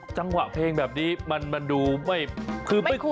จังหวะเพลงแบบนี้มันดูไม่คุ้น